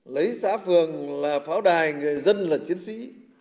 lấy xã phường là pháo đài người dân là chiến sĩ